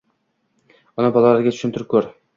uni bolalarga tushuntirib ko‘r.